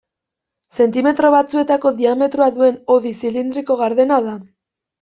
Zentimetro batzuetako diametroa duen hodi zilindriko gardena da.